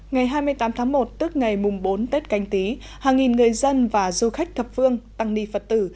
ngày hai mươi tám tháng một tức ngày mùng bốn tết canh tí hàng nghìn người dân và du khách thập phương tăng ni phật tử